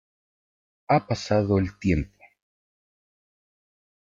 Ha pasado el tiempo.